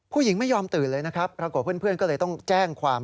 ผู้หญิงไม่ยอมตื่นเลยนะครับปรากฏเพื่อนก็เลยต้องแจ้งความ